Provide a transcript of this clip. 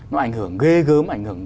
nó ảnh hưởng ghê gớm ảnh hưởng